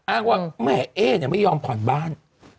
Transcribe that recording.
อ้างว่าแม่เอ๊เนี่ยไม่ยอมผ่อนบ้าน